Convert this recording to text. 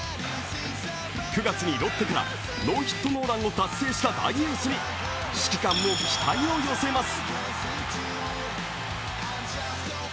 ９月にロッテからノーヒットノーランを達成した大エースに、指揮官も期待を寄せます。